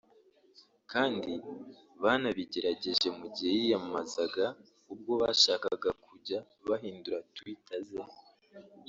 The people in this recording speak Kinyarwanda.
kandi banabigerageje mugihe yiyamamazaga ubwo bashakaga kujjya bahindura Tweeter ze